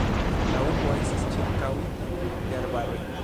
La urbo estas ĉirkaŭita de arbaroj.